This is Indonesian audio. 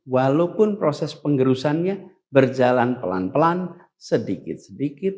walaupun proses penggerusannya berjalan pelan pelan sedikit sedikit